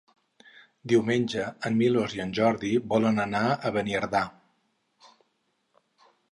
Diumenge en Milos i en Jordi volen anar a Beniardà.